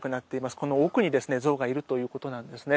この奥に象がいるということなんですね。